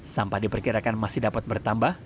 sampah diperkirakan masih dapat bertambah